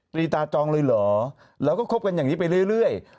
รีตาจองเลยเหรอแล้วก็คบกันอย่างนี้ไปเรื่อย